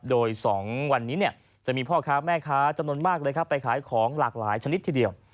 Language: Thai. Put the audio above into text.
โดย๒วันนี้จะมีพ่อค้าแม่ค้าจำนวนมากเลยครับไปขายของหลากหลายชนิดทีเดียว